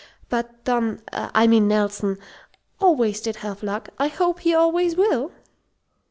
But Don I mean Nelson always did have luck. I hope he always will!"